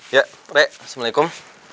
ya re assalamualaikum